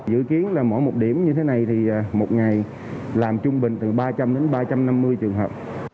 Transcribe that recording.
dự kiến là mỗi một điểm như thế này thì một ngày làm trung bình từ ba trăm linh đến ba trăm năm mươi trường hợp